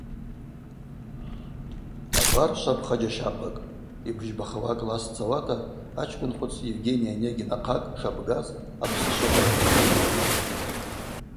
Абар швапха джьащахъвакӏ: йбыжьбахауа акласс дцауата ачкӏвынхвыц Евгений Онегин ахъакӏ шабгаз апсышвала йатайкӏтӏ.